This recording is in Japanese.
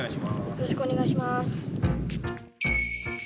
よろしくお願いします。